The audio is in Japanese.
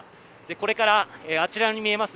これから、あちらに見えます